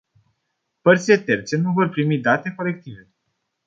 Părțile terțe nu vor primi date colective.